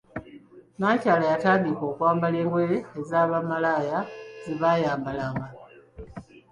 Nnakyala yatandika kwambala ngoye eza bamalaaya zebayambalanga.